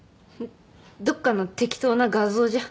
どっかの適当な画像じゃ？